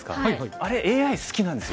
あれＡＩ好きなんですよ